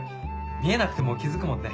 見えなくても気付くもんね。